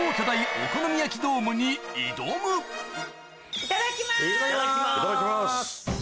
いただきます。